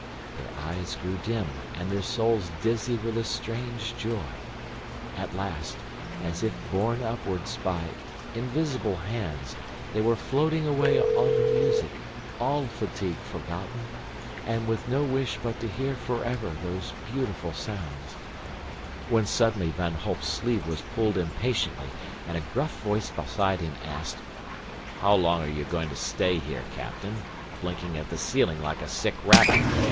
Their eyes grew dim, and their souls dizzy with a strange joy. At last, as if borne upward by invisible hands, they were floating away on the music, all fatigue forgotten, and with no wish but to hear forever those beautiful sounds, when suddenly Van Holp's sleeve was pulled impatiently and a gruff voice beside him asked, "How long are you going to stay here, captain, blinking at the ceiling like a sick rabbit?